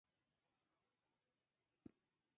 پسه د افغانستان د ښکلي طبیعت یوه برخه ده.